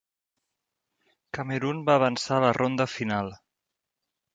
Cameroon va avançar a la ronda final.